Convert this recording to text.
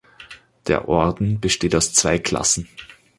Der Orden besteht aus zwei Klassen.